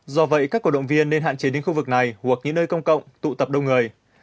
do vậy các cổ động viên nên hạn chế đến khu vực này hoặc những nơi công cộng tụ tập đông người